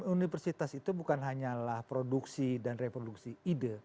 universitas itu bukan hanyalah produksi dan reproduksi ide